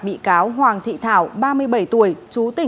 bị cáo hoàng thị thảo ba mươi bảy tuổi